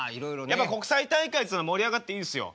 やっぱ国際大会っつうのは盛り上がっていいですよ。